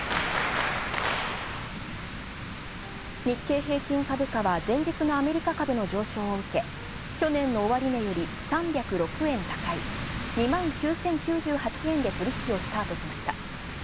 日経平均株価は、前日のアメリカ株の上昇を受け、去年の終値より、３０６円高い２万９０９８円で取引をスタートしました。